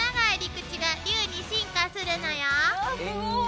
わすごい！